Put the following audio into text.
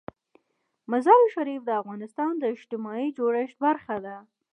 مزارشریف د افغانستان د اجتماعي جوړښت برخه ده.